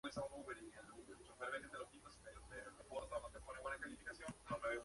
Fecha que el instituto reconoce como la fundación, tomando el nombre actual.